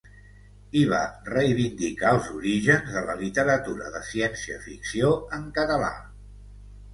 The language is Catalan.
I va reivindicar els orígens de la literatura de ciència-ficció en català.